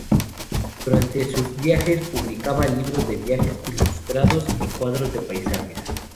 Durante sus viajes, publicaba libros de viajes ilustrados y cuadros de paisajes.